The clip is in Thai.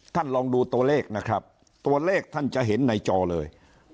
ลองดูตัวเลขนะครับตัวเลขท่านจะเห็นในจอเลย